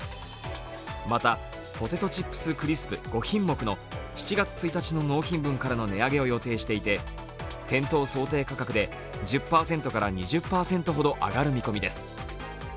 また、ポテトチップスクリスプ５品目の７月１日の納品分からの値上げを予定していて店頭想定価格で１０％から２０％ほど上がる見込みです。